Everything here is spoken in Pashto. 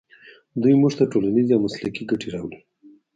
دوی موږ ته ټولنیزې او مسلکي ګټې راوړي.